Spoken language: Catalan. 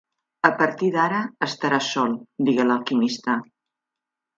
"A partir d'ara, estaràs sol", digué l'alquimista.